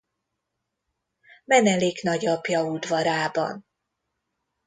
Menelik nagyapja udvarában.